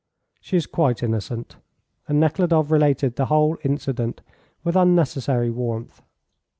"She is quite innocent." And Nekhludoff related the whole incident with unnecessary warmth.